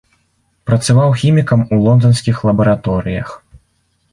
Працаваў хімікам у лонданскіх лабараторыях.